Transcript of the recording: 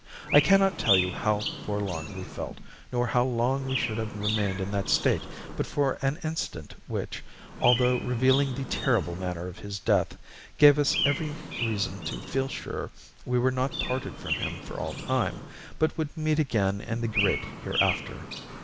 I cannot tell you how forlorn we felt, nor how long we should have remained in that state but for an incident which, although revealing the terrible manner of his death, gave us every reason to feel sure we were not parted from him for all time, but would meet again in the great hereafter.